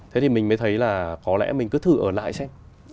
thế thì mình mới thấy là có lẽ mình cứ thử ở lại xem